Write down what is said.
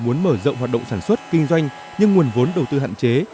muốn mở rộng hoạt động sản xuất kinh doanh nhưng nguồn vốn đầu tư hạn chế